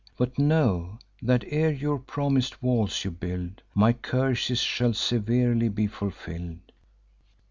But know, that ere your promis'd walls you build, My curses shall severely be fulfill'd.